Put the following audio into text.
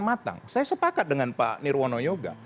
matang saya sepakat dengan pak nirwono yoga